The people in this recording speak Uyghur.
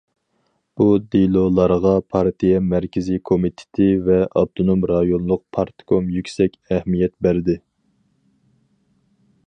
بۇ دېلولارغا پارتىيە مەركىزىي كومىتېتى ۋە ئاپتونوم رايونلۇق پارتكوم يۈكسەك ئەھمىيەت بەردى.